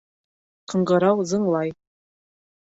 — Ҡыңғырау зыңлай...